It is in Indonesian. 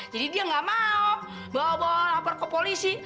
jadi dia nggak mau bawa bawa lapor ke polisi